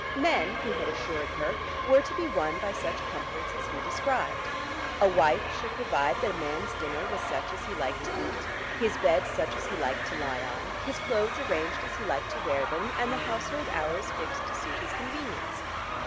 Men, he had assured her, were to be won by such comforts as he described. A wife should provide that a man's dinner was such as he liked to eat, his bed such as he liked to lie on, his clothes arranged as he liked to wear them, and the household hours fixed to suit his convenience.